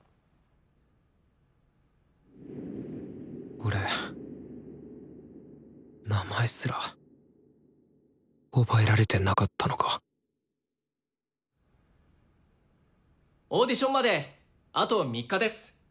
俺名前すら覚えられてなかったのかオーディションまであと３日です。